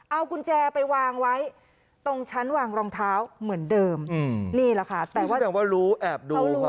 เอากุญแจไปวางไว้ตรงชั้นวางรองเท้าเหมือนเดิมอืมนี่แหละค่ะแต่ว่ารู้แอบดูค่ะ